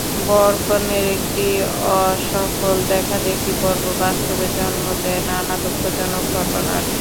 বর-কনের একটি অসফল দেখাদেখি পর্ব বাস্তবে জন্ম দেয় নানা দুঃখজনক ঘটনার।